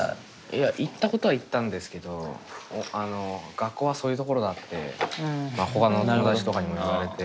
いや言ったことは言ったんですけどあの学校はそういう所だってほかの友達とかにも言われて。